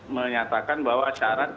menyatakan bahwa syarat